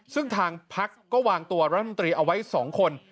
ซึ่งทางพักก็วางตัวรัฐมนตรีเอาไว้๒คน